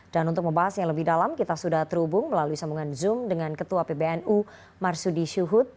dan untuk membahas yang lebih dalam kita sudah terhubung melalui sambungan zoom dengan ketua pbnu marsudi syuhud